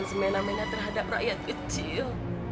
semena mena terhadap rakyat kecil